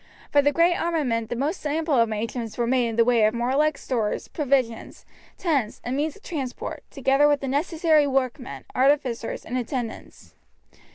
For the great armament the most ample arrangements were made in the way of warlike stores, provisions, tents, and means of transport, together with the necessary workmen, artificers, and attendants.